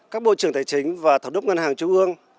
các bộ trưởng tài chính và thống đốc ngân hàng trung ương